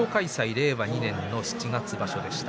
令和２年の七月場所でした。